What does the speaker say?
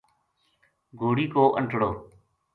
گھوڑی کو انٹڑو